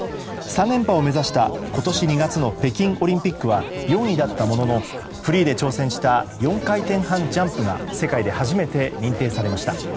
３連覇を目指した今年２月の北京オリンピックは４位だったもののフリーで挑戦した４回転半ジャンプが世界で初めて認定されました。